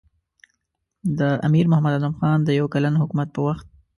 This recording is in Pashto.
د امیر محمد اعظم خان د یو کلن حکومت په وخت.